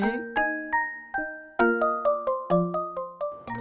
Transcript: terus ya terus sekarang ngojek lagi